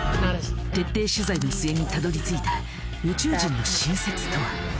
徹底取材の末にたどり着いた宇宙人の新説とは？